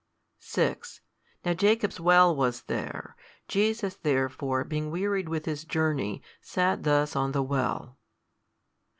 6 Now Jacob's well was there. Jesus, therefore, being wearied with His journey, sat thus on the well.